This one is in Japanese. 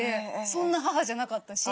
そんな母じゃなかったし。